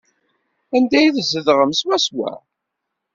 Anda ay tzedɣem swaswa?